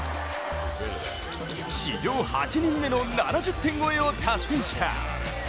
史上８人目の７０点超えを達成した。